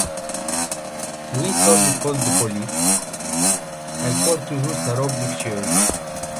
Lui sort du poste de police, elle porte toujours sa robe luxueuse.